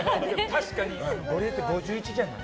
確かにゴリエって５１じゃない。